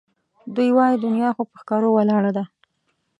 دوی وایي دنیا خو پهٔ ښکرو ولاړه ده